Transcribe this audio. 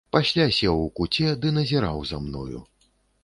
Пасля сеў у куце ды назіраў за мною.